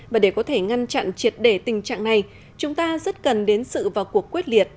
và để có thể ngăn chặn triệt để tình trạng này chúng ta rất cần đến sự vào cuộc quyết liệt